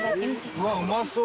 うわっうまそう！